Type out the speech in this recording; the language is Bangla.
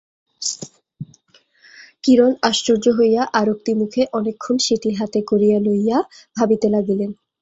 কিরণ আশ্চর্য হইয়া আরক্তিমমুখে অনেকক্ষণ সেটি হাতে করিয়া লইয়া ভাবিতে লাগিলেন।